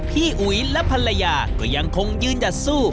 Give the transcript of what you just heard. อุ๋ยและภรรยาก็ยังคงยืนหยัดสู้